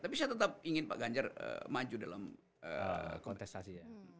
tapi saya tetap ingin pak ganjar maju dalam kontestasi ya